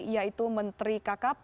yaitu menteri kkp